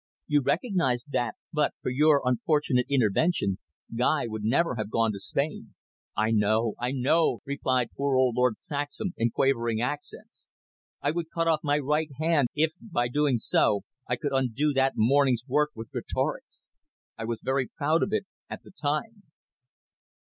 You recognise that, but for your unfortunate intervention, Guy would never have gone to Spain." "I know, I know," replied poor old Lord Saxham in quavering accents. "I would cut off my right hand if, by doing so, I could undo that morning's work with Greatorex. I was very proud of it at the time."